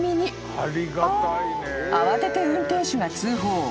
［慌てて運転手が通報］